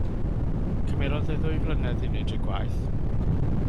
Cymerodd e ddwy flynedd i wneud y gwaith.